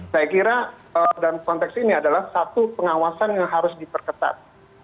saya kira dalam konteks ini adalah satu pengawasan yang harus diperketat